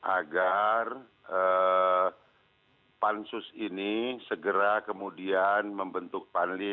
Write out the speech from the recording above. agar pansus ini segera kemudian membentuk panli